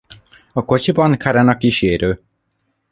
A kocsiban Karen a kísérő.